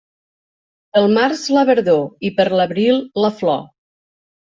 Pel març, la verdor, i per l'abril, la flor.